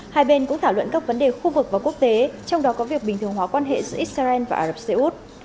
hai bên cũng thảo luận các vấn đề khu vực và quốc tế trong đó có việc bình thường hóa quan hệ giữa israel và ả rập xê út